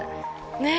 ねえ。